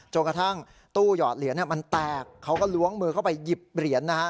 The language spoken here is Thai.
กระทั่งตู้หยอดเหรียญมันแตกเขาก็ล้วงมือเข้าไปหยิบเหรียญนะฮะ